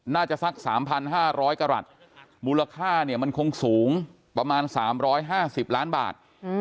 สัก๓๕๐๐กรัฐมูลค่าเนี่ยมันคงสูงประมาณ๓๕๐ล้านบาท